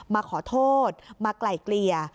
มาขอโทษมาไกล่เกลี่ย